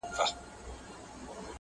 زموږ پر تندي به وي تیارې لیکلي؛